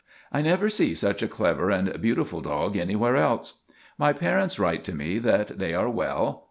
I never see such a clever and beautiful dog anywhere else. My parents write to me that they are well.